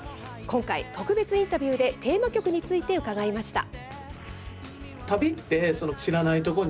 今回特別インタビューでテーマ曲について伺いました。